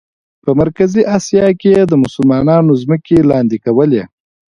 په مرکزي آسیا کې یې د مسلمانانو ځمکې لاندې کولې.